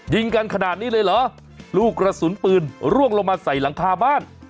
ยิงกันขนาดนี้เลยเหรอลูกกระสุนปืนร่วงลงมาใส่หลังคาบ้าน